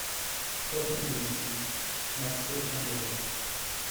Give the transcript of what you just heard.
Troisième Domestique : Marsay Un Gardien .